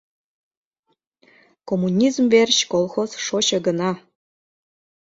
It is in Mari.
«Коммунизм верч» колхоз шочо гына...